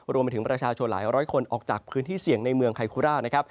รวมไปถึงประชาชนหลายร้อยคนออกจากพื้นที่เสี่ยงในเมืองไคคุรานะครับ